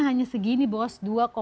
hanya segini bos